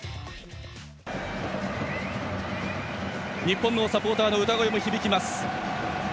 日本のサポーターの歌声も響きます。